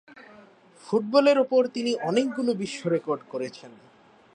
Football এর উপর তিনি অনেকগুলো বিশ্ব রেকর্ড করেছেন।